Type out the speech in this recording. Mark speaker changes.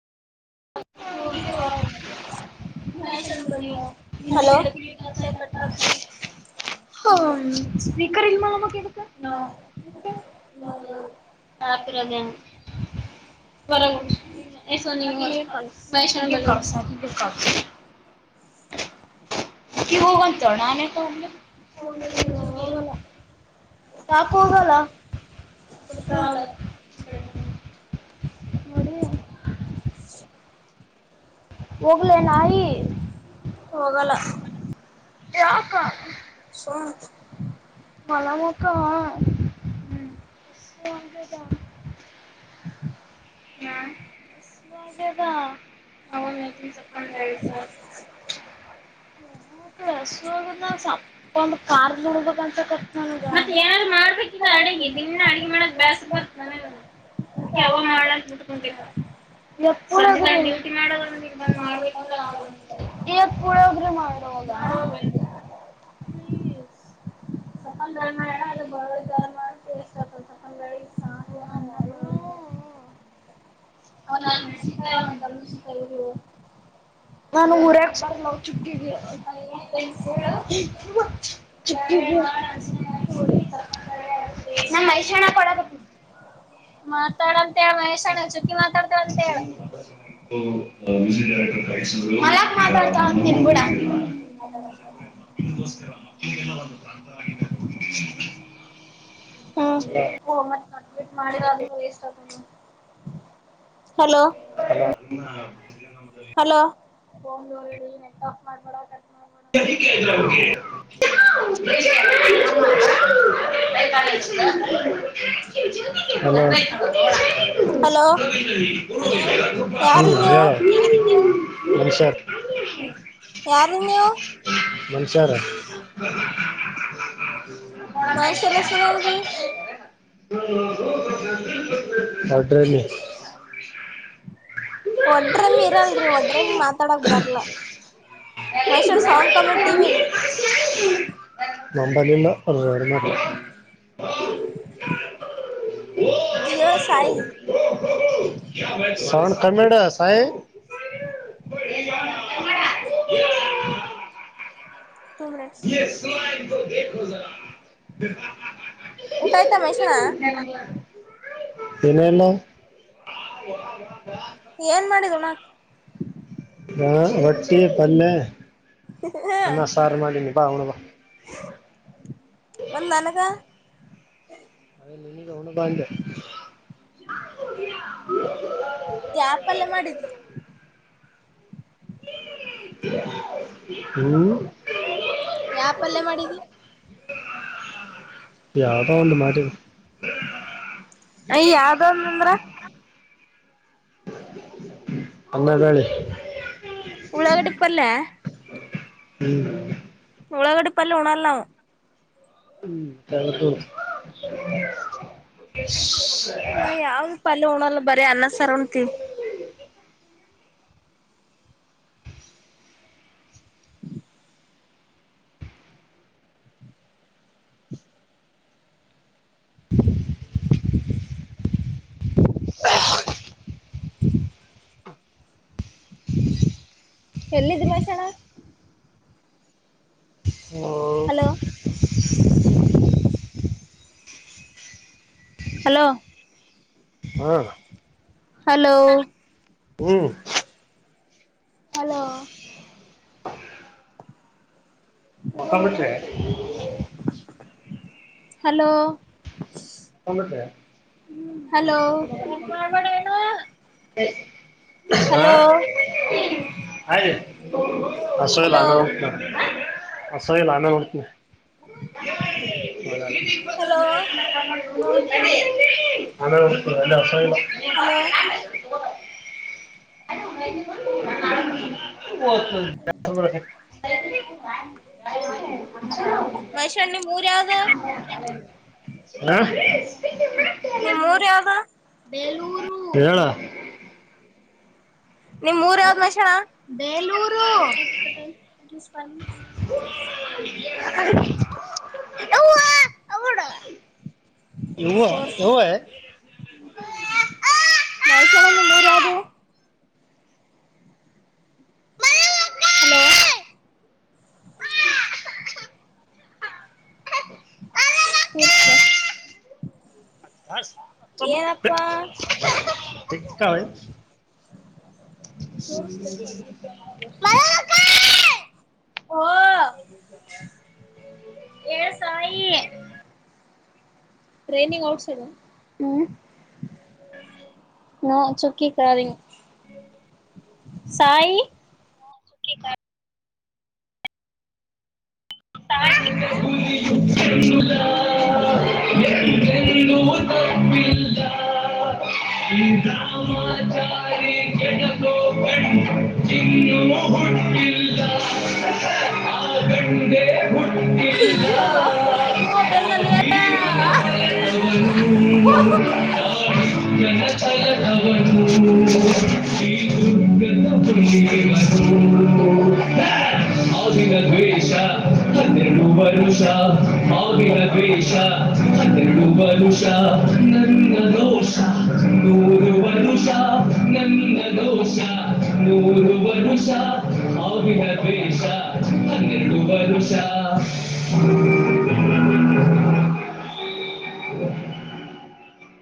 Speaker 1: ಹ್ಮ್ ಹೋಗಿದೆ ಹೊರಗ. ಹಲೋ
Speaker 2: ಹ ಸ್ಪೀಕರ ಇಲ್ ಮಾಡಮ್ಮ [unintelligible] ಆತರದ್ಯಾ.
Speaker 1: ಹ ಆಕಿಯೆ [unintelligible]
Speaker 2: ಮಹೇಶ್ ಅಣ್ಣಾಗೆ ಕಳ್ಸ [unintelligible] ಕಿವುಗ್ ಒಂದ್ [unintelligible] ಹೋಗ್ಲಿ ಯಾಕ್ ಹೋಗಲ್ಲ ಸುಸ್ತ ಆಗಲ್ಲ. [unintelligible] ನೋಡಿ ಹೋಗ್ಲೇ ನಾಯಿ.
Speaker 1: ಹೋಗಲ್ಲ.
Speaker 2: ಯಾಕಾ.
Speaker 1: ಸುಮ್.
Speaker 2: ಮಲಮ್ಮಕ ಹ್ಮ [unintelligible] ಹೊಂಟದ. ಯಾ [unintelligible] ಹೋಗ್ಯದ ಹೌದ [unintelligible] ಒಂದ ಐದ್ ಸಾವ್ರ. ಹೋಗ್ ಅಕಡ್ ಹಸ್ಸು ಆಗ್ಯದ ಸಪ್ಪಂದ ಕಾರ್ ನೋಡ್ಬೇಕಂತ. [unintelligible] ಮತ್ ಏನಾರ ಮಾಡ್ಬೇಕಿಲ್ಲ ಅಡಗಿ ದಿನ್ನ ಅಡಗಿ ಮಾಡಕ್ ಬ್ಯಾಸರ ಬರ್ ನನಗ ಅದಕ್ಕೆ ಅವ್ವ ಮಾಡ್ಲ ಅಂತ್ ಮುಟ್ಕೊಂತಿನಿ ನೋಡ್. ಏಪ್ಪುಳ್ ಸಂಜಿ ತನ ಡ್ಯಟಿ ಮಾಡದ ಒಂದ್ ಇಲ್ ಬಂದ್ ಮಾಡ್ಬೇಕಂದ್ರೆ ಈವಾಗ ಪುಳಿಯೋಗರೆ ಮಾಡ ಹೋಗ. ಪ್ಲೀಸ್. [unintelligible] ನಾ ವಲ್ಲ [unintelligible]
Speaker 1: ಅ ಕಲಿಸ್ ತೆಗಿರೊ
Speaker 2: ನನಗ್ ಹುರ್ಯಾಕ್ ಬರಲ್ ಅವ್ ಚುಕ್ಕಿಗ್ ಹೇಳ್. [unintelligible] ಚುಕ್ಕಿಗ್ ಹೇಳ್ [unintelligible] ನಮ್ಮ್ ಮೈಷಣ ಕೊಡಗತಿ
Speaker 1: ಮಾತಾಡ ಅಂತ ಹೇಳ ಮಹೇಶ ಅಣ್ಣಾಗ ಚುಕ್ಕಿ ಮಾತಾಡ್ತಾಳ ಅಂತ ಹೇಳ.
Speaker 2: [unintelligible] ಮ್ಯೂಸಿಕ್ ಡೈರೆಕ್ಟರ್ ಕಾಯ. ಮಲ್ಲಕ್ ಮಾತ್ ಆಡ್ತಾಳ ಅಂತ್ ನೀನ್ ಗುಡ. [unintelligible] ಹಲೋ.
Speaker 1: ಹಓ ಮತ್ತ ಮತ್ತಿಟ್ ಮಾಡಿಲ್ ಅಂದ್ರ ವೇಸ್ಟ್ ಆತದ ನೋಡ್ ಹಲೋ.
Speaker 2: Hello [unintelligible]
Speaker 1: hello.
Speaker 2: [inaudible]
Speaker 1: [inaudible]
Speaker 2: [inaudible]
Speaker 1: ಹಲೋ
Speaker 2: ಹ್ಮ
Speaker 1: ಯಾರೀ ನೀವು
Speaker 2: ಹೇಳ [unintelligible]
Speaker 1: ಯಾರ ನೀವು.
Speaker 2: ಮನಷ್ಯರು.
Speaker 1: ಮನುಷ್ಯರ್ ಹೆಸರು ಹೇಳ್ರಿ.
Speaker 2: [unintelligible]
Speaker 1: ಒಡ್ರಮ್ಮ ಇರಲ್ರಿ ಒಡ್ರಮ ಮಾತಾಡಕ್ ಬರ್ಲ. [unintelligible]
Speaker 2: [unintelligible] [inaudible] [inaudible]
Speaker 1: ಹೇಳು ಸಾಯಿ
Speaker 2: ಕನ್ನಡ ಸಾಯಿ
Speaker 1: [inaudible]
Speaker 2: [inaudible]
Speaker 1: ಟು ಮಿನಿಟ್ಸ್. ಊಟ ಆಯ್ತಾ ಮೈಷಣ
Speaker 2: [inaudible] ಮತ್ತೆ ಇನೇನು. [inaudible]
Speaker 1: ಏನ್ಮಾಡಿದ್ಣ.
Speaker 2: ಹ ಒಟ್ಟಿ ಪಲ್ಯ
Speaker 1: ಹಾ. [inaudible]
Speaker 2: ಸಾರ್ ಮಾಡೀನಿ ಬಾ ಉಣ್ಣು.
Speaker 1: ಮತ್ತೆ ನನಗ
Speaker 2: ಬಾ ಅಂದೇ.
Speaker 1: ಯಾವ ಪಲ್ಯ ಮಾಡಿದ್ದ್.
Speaker 2: ಹ [inaudible]
Speaker 1: ಯಾವ ಪಲ್ಯ ಮಾಡಿದಿ.
Speaker 2: ಯಾವ್ದೋ ಒಂದು ಮಾಡನೀ.
Speaker 1: ಅಯ್ಯೋ ಯಾವ್ದ ಒಂದು ಅಂದ್ರ.
Speaker 2: ಅವರೆಕಾಯಿ.
Speaker 1: ಉಳ್ಳಾಗಡ್ಡಿ ಪಲ್ಯ.
Speaker 2: ಹ್ಮ್
Speaker 1: ಉಳ್ಳಾಗಡ್ಡಿ ಪಲ್ಲ ಉಣರ್ಲ್ಲವು.
Speaker 2: [inaudible]
Speaker 1: ನಾ ಯಾವ್ದ ಪಲ್ಯ ಉಣ್ಣಲ್ಲ ಬರೀ ಅನ್ನ ಸರ್ ಉಂತಿ.
Speaker 2: ಹ. [inaudible]
Speaker 1: ಎಲ್ಲಿದೆ ಮಹೇಶಣ್ಣ.
Speaker 2: ಅ
Speaker 1: ಹಲೋ ಹಲೋ
Speaker 2: ಹಾ.
Speaker 1: ಹಲೋ
Speaker 2: ಹ್ಮ್,
Speaker 1: ಹಲೋ,
Speaker 2: ಮಕ್ಕೊಂಡ್ ಬಿಟ್ರೆ
Speaker 1: ಹಲೋ
Speaker 2: ಂದಟ [unintelligible]
Speaker 1: ಹಲೋ
Speaker 2: ಹಾ [unintelligible] [inaudible]
Speaker 1: ಹಲೋ
Speaker 2: ಆ ಹಸೋಲ್ಲೇ
Speaker 1: ಹಲೋ
Speaker 2: [unintelligible] ಹಸುವಾಗಿಲ್ಲ ಅನ್ನ ಉಣ್ತೀನಿ.
Speaker 1: ಹಲೋ
Speaker 2: ನ ಎಲ್ಲಸಲ್ಲ [unintelligible]
Speaker 1: ಹಲೋ,
Speaker 2: ಅ [inaudible] ಅ
Speaker 1: ಮಹೇಶ್ವರ್ ನಿಮ್ ಊರ್ ಯಾವ್ದ
Speaker 2: [unintelligible] ಅ [unintelligible] ಹ [inaudible]
Speaker 1: ನಿಮ್ಮ ಊರ್ ಯಾವ್ದುಬ
Speaker 2: ಹರಳ [inaudible]
Speaker 1: ನಿಮ್ಮೂರ ಯಾವ್ದ್ ಮಹೇಶಣ್ಣ?, ಬೇಲೂರು
Speaker 2: ಉ [unintelligible]
Speaker 1: ಹ್ [inaudible]
Speaker 2: ಇವು ಯವ [unintelligible]
Speaker 1: ಮಹೇಶಣ್ಣನಿಮ್ಮೂರ ಯಾವ್ದು? ಹಲೋ, ತರ್ಸ [inaudible]
Speaker 2: ಕಾವ [unintelligible] ಮ [inaudible]
Speaker 1: ಓಹೋ, ಹೇಳ್ಸಾಯಿ ್ರೈನಿಂಗ್ ಔಟ್ಸ್ [unintelligible] ನಾ ಚುಕ್ಕಿ ಕಾದ ಸಾಯಿ [unintelligible]
Speaker 2: ಆ [unintelligible] ಬಿ [inaudible] ಅ [unintelligible] ಆ ಗಂಡೆ ಹುಟ್ಟಿಲ್ಲಾ
Speaker 1: ಹ ಬೆಂದಲ್ಲ [unintelligible]
Speaker 2: ಹ [inaudible] ಅವನು ಚಾಣುಕ್ಯನ ಛಲದವನು ಈ ದುರ್ಗಟ್ಟ ಖುಷಿಯವನು [unintelligible] ಹಾವಿನ ದ್ವೇಷ ನೂರು ವರ್ಷ ಹಾವಿನ ದ್ವೇಷ ಹನ್ನೆರಡು ವರ್ಷ ನನ್ನ ರೋಷನೂರು ವರ್ಷ
Speaker 1: ಹ [inaudible]
Speaker 2: ನೂರು ವರ್ಷ ಹಾವಿನ ದ್ವೇಷ ಹನ್ನೆರಡು ವರ್ಷ